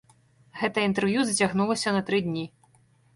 Гэтае інтэрв'ю зацягнулася на тры дні.